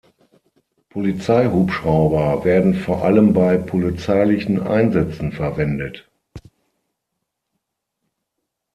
Polizeihubschrauber werden vor allem bei polizeilichen Einsätzen verwendet.